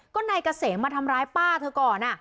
ก็นายเกษมมาทำร้ายป้าเธอก่อน